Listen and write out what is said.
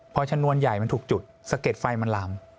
พอชนวนใหญ่มันถูกจุดสะเก็ดไฟมันลาม